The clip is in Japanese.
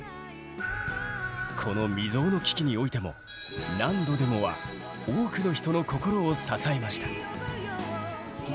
この未曽有の危機においても「何度でも」は多くの人の心を支えました。